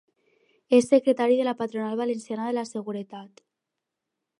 És secretari de la patronal valenciana de la seguretat.